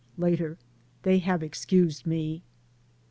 Later : They have excused me.